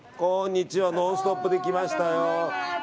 「ノンストップ！」で来ましたよ。